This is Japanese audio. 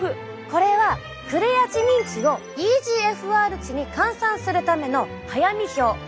これはクレアチニン値をｅＧＦＲ値に換算するための早見表。